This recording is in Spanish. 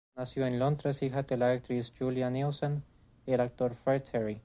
Nació en Londres, hija de la actriz Julia Neilson y el actor Fred Terry.